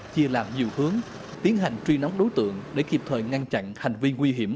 chia làm nhiều hướng tiến hành truy nóng đối tượng để kịp thời ngăn chặn hành vi nguy hiểm